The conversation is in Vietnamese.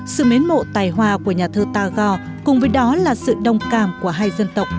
sự mến mộ tài hoa của nhà thơ tagore cùng với đó là sự đồng cảm của hai dân tộc